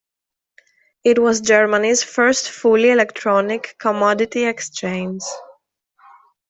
It was Germany's first fully electronic commodity exchange.